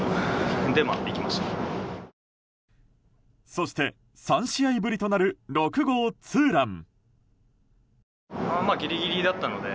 そして、３試合ぶりとなる６号ツーラン。